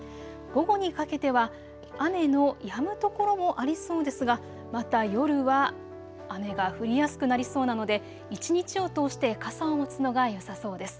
午後にかけては雨のやむ所もありそうですが、また夜は雨が降りやすくなりそうなので一日を通して傘を持つのがよさそうです。